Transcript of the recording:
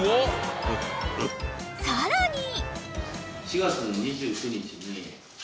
［さらに］